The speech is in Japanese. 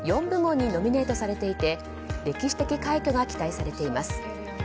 ４部門にノミネートされていて歴史的快挙が期待されています。